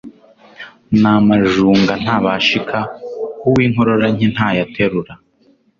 Ni amajunga ntabashika Uw' inkokora nke ntayaterura.